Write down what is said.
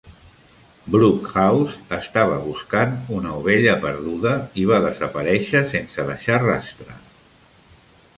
Brookhouse estava buscant una ovella perduda i va desaparèixer sense deixar rastre.